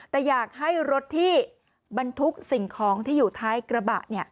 แต่อยากให้รถที่บรรทุกสิ่งของที่อยู่ท้ายกระบะ